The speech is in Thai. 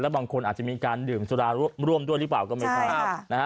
บางคนอาจจะมีการดื่มสุราร่วมด้วยหรือเปล่าก็ไม่พอนะฮะ